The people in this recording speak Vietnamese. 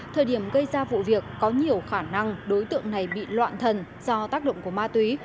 thời điểm gây ra vụ việc có nhiều khả năng đối tượng này bị loạn thần do tác động của ma túy